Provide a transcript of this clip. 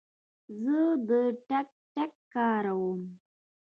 زه د ټک ټاک کاروم.